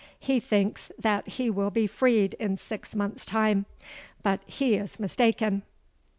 He thinks that he will be freed in six months' time; but he is mistaken.'